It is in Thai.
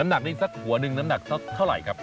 น้ำหนักนี่สักหัวหนึ่งน้ำหนักเท่าไรครับ